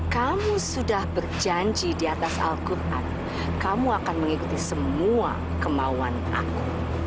kamu sudah berjanji di atas al quran kamu akan mengikuti semua kemauan aku